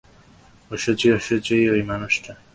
অশুচি, অশুচি ওই মানুষটা।